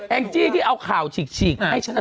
งจี้ที่เอาข่าวฉีกให้ฉัน